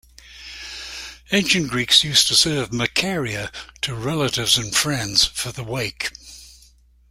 Ancient Greeks used to serve "Makaria" to relatives and friends for the wake.